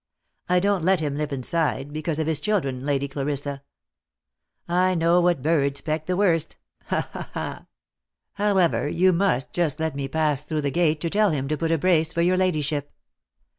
I don't let him live inside, because of his children, Lady Clarissa. I know what birds peck the worst — ha ! ha ! ha ! However, you must just let me pass through the gate to tell him to put up a brace for your ladyship.